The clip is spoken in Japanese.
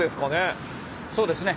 そうですね。